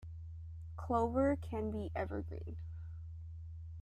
Clover can be evergreen.